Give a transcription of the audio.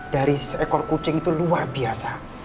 dari seekor kucing itu luar biasa